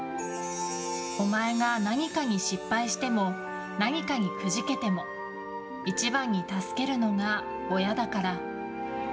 お前が何かに失敗しても何かにくじけても一番に助けるのが親だから。